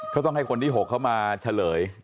เขาต้องให้คนที่๖เขามาเฉลย